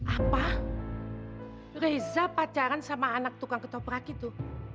apa reza pacaran sama anak tukang ketoprak itu